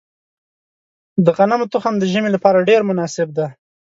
د غنمو تخم د ژمي لپاره ډیر مناسب دی.